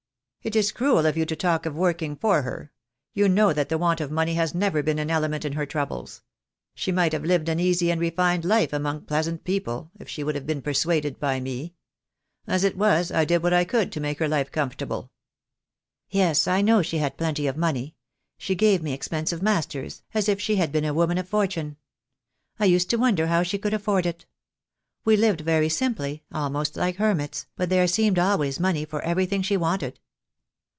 "It is cruel of you to talk of working for her. You know that the want of money has never been an element in her troubles. She might have lived an easy and re fined life among pleasant people if she would have been persuaded by me. As it was, I did what I could to make her life comfortable." "Yes, I know she had plenty of money. She gave me expensive masters, as if she had been a woman of fortune. I used to wonder how she could afford it. We lived very simply, almost like hermits, but there seemed always money for everything she wanted.